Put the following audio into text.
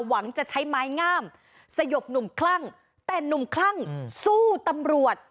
หวังจะใช้ไม้งามสยบหนุ่มคลั่งแต่หนุ่มคลั่งสู้ตำรวจ